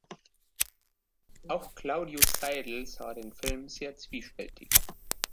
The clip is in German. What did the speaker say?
Auch Claudius Seidl sah den Film sehr zwiespältig.